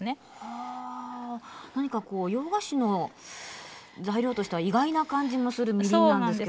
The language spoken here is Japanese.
はあ何かこう洋菓子の材料としては意外な感じもするみりんなんですけど。